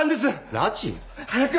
拉致？早く！